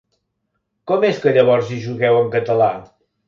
Com és que llavors hi jugueu en català?